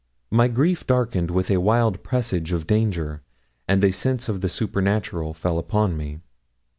My grief darkened with a wild presaging of danger, and a sense of the supernatural fell upon me.